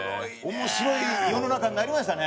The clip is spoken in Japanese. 面白い世の中になりましたね。